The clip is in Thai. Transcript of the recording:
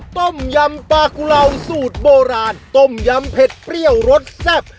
ต้มยำปลากุเหล่าสูตรโบราณต้มยำเผ็ดเปรี้ยวรสแซ่บ